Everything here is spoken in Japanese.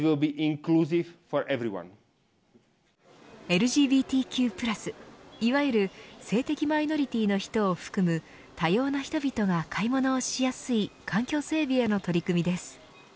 ＬＧＢＴＱ＋いわゆる性的マイノリティの人を含む多様な人々が買い物をしやすい環境整備への取り組みです。